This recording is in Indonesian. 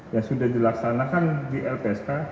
yang sudah dilaksanakan di lpsk